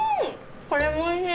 これもおいしい！